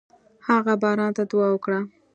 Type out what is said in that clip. هغه باران ته دعا وکړه.